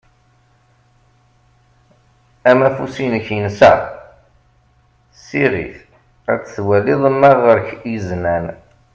Amafus-inek insa. Siɣ-it ad twaliḍ ma ɣer-k izenan.